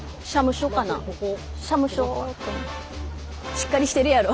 しっかりしてるやろ？